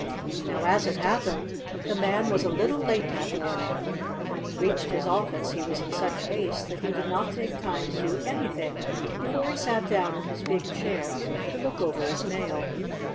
Now, as it happened, the Man was a little late that morning, and when he reached his office he was in such haste that he did not take time to do anything before he sat down in his big chair to look over his mail.